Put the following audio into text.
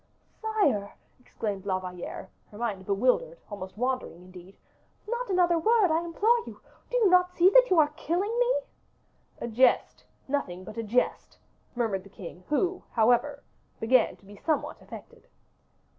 "Sire!" exclaimed La Valliere, her mind bewildered, almost wandering, indeed, "not another word, I implore you; do you not see that you are killing me?" "A jest, nothing but a jest," murmured the king, who, however, began to be somewhat affected.